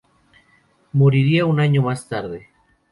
Moriría un año más tarde.